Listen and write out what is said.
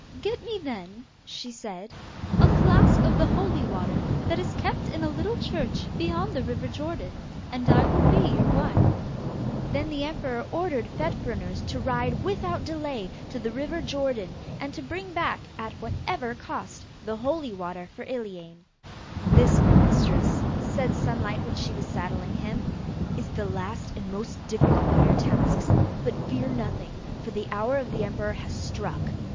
'Get me, then,' she said, 'a flask of the holy water that is kept in a little church beyond the river Jordan, and I will be your wife.' Then the emperor ordered Fet Fruners to ride without delay to the river Jordan, and to bring back, at whatever cost, the holy water for Iliane. 'This, my mistress,' said Sunlight, when she was saddling him, 'is the last and most difficult of your tasks. But fear nothing, for the hour of the emperor has struck.